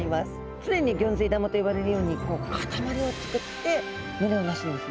常にギョンズイ玉と呼ばれるように固まりを作って群れをなすんですね。